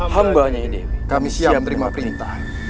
hambanya ini kami siap menerima perintah